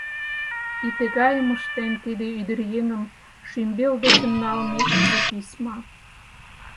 И тыгайым ыштен тиде ӱдыръеҥым шӱмбел дечын налме изи письма.